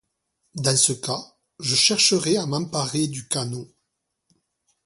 Dans ce cas, je chercherais à m’emparer du canot.